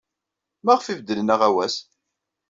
Maɣef ay beddlen aɣawas?